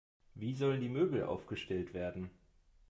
Wie sollen die Möbel aufgestellt werden?